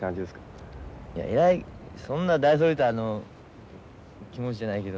いやえらいそんな大それた気持ちじゃないけど。